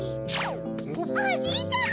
おじいちゃま！